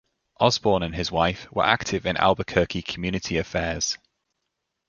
Osborn and his wife were active in Albuquerque community affairs.